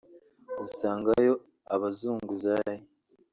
usangayo abazunguzayi